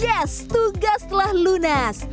yes tugas telah lunas